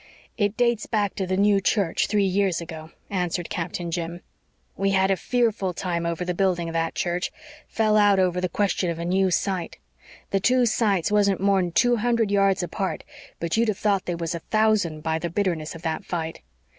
"It dates back to the new church, three years ago," answered Captain Jim. "We had a fearful time over the building of that church fell out over the question of a new site. The two sites wasn't more'n two hundred yards apart, but you'd have thought they was a thousand by the bitterness of that fight.